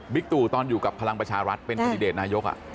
ตู่ตอนอยู่กับพลังประชารัฐเป็นคันดิเดตนายก